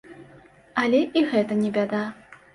Але і гэта не бяда.